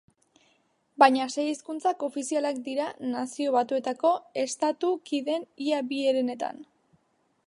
Baina sei hizkuntzak ofizialak dira Nazio Batuetako estatu kideen ia bi herenetan.